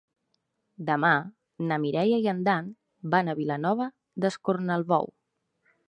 Demà na Mireia i en Dan van a Vilanova d'Escornalbou.